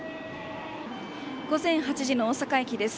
午前８時の大阪駅です。